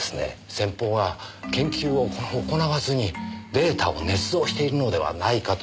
先方が研究を行わずにデータを捏造しているのではないかと。